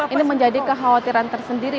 ini menjadi kekhawatiran tersendiri